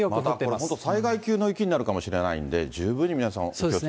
本当災害級の雪になるかもしれないんで、十分に皆さん、お気そうですね。